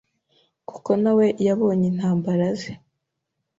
kuko nawe yabonye intambara ze